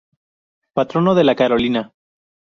Patrono de La Carolina.